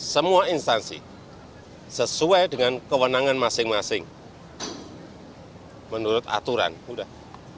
semua instansi sesuai dengan kewenangan masing masing menurut aturan udah